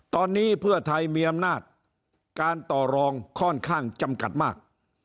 ตอนนี้เพื่อไทยมีอำนาจการต่อรองค่อนข้างจำกัดมาก